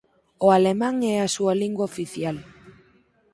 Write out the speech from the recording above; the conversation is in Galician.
O alemán é a súa lingua oficial.